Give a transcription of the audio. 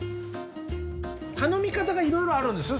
頼み方がいろいろあるんですよ